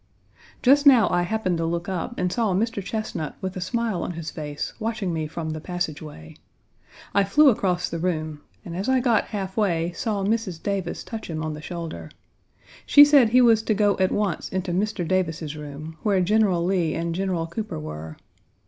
Just now I happened to look up and saw Mr. Chesnut with a smile on his face watching me from the passageway. I flew across the room, and as I got half way saw Mrs. Davis touch him on the shoulder. She said he was to go at once into Mr. Davis's room, where General Lee and General Cooper were.